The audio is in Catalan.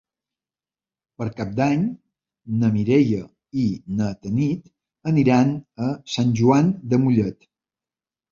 Per Cap d'Any na Mireia i na Tanit aniran a Sant Joan de Mollet.